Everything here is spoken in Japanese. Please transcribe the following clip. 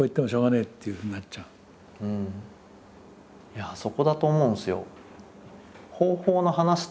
いやあそこだと思うんですよ。